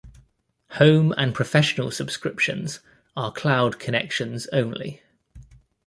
Home and Professional subscriptions are cloud connections only.